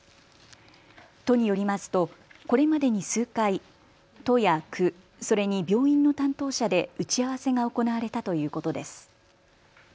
都によりますとこれまでに数回、都や区、それに病院の担当者で打ち合わせが行われたということです。